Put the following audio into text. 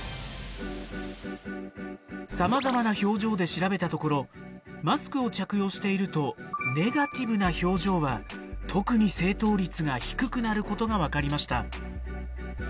さまざまな表情で調べたところマスクを着用しているとネガティブな表情は特に正答率が低くなることが分かりました。